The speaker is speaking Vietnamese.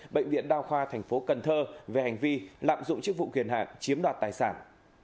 bệnh viện đa khoa thành phố cần thơ về hành vi lạm dụng chức vụ kiền hạn chiếm đoạt tài sản